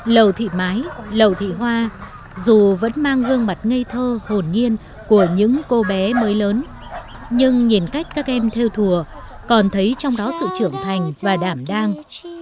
lầu thị mái lầu thị hoa dù vẫn mang gương mặt ngây thơ hồn nhiên của những cô bé mới lớn nhưng nhìn cách các em theo thùa còn thấy trong đó sự trưởng thành và đảm đang